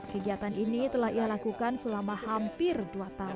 kegiatan ini telah ia lakukan selama hampir dua tahun